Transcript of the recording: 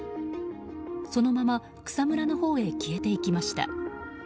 そのまま、草むらのほうへ消えていきました。